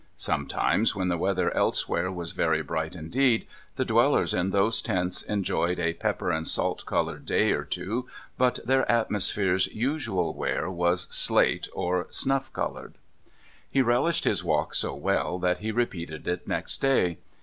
Sometimes, when the weather elsewhere was very bright indeed, the dwellers in those tents enjoyed a pepper and salt coloured day or two, but their atmosphere's usual wear was slate or snuff coloured. He relished his walk so well that he repeated it next day.